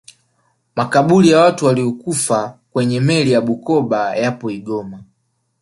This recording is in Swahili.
makabuli ya watu waliyokufa kwenye meli ya bukoba yapo igoma